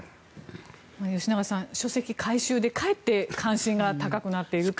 吉永さん、書籍回収でかえって関心が高くなっているという。